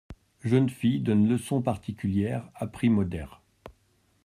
Jeune fille donne leçons particulières à prix modér.